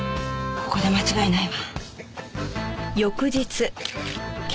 ここで間違いないわ。